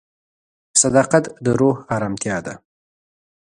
صداقت د روح ارامتیا ده.